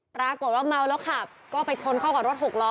ปรากฏว่าเมาแล้วขับก็ไปชนเข้ากับรถหกล้อ